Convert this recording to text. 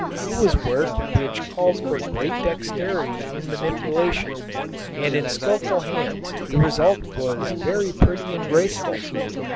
It was work which called for great dexterity in manipulation, and in skilful hands the result was very pretty and graceful.